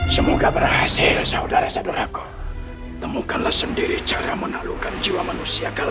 semoga berhasil saudara saudaraku